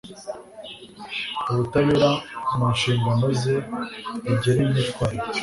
ubutabera mu nshingano ze rigena imyitwarire